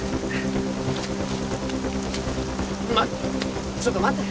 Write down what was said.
まちょっと待って。